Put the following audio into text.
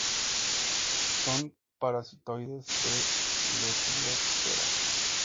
Son parasitoides de Lepidoptera.